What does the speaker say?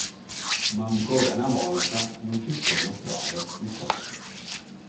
Ma ancora una volta non ci sono prove di ciò.